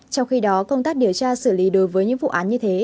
trong khi đó công tác điều tra xử lý đối với những vụ án như thế